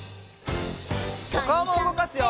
おかおもうごかすよ！